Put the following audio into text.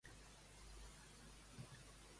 Indica'm com anar al Zara.